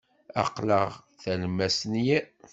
Aql-aɣ d talemmast n yiḍ.